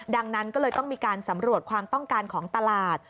ดังนั้นก็เลยต้องมีการสำรวจความต้องการของตลาด